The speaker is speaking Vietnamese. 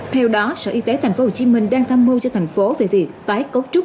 theo đó sở y tế thành phố hồ chí minh đang tham mưu cho thành phố về việc tái cấu trúc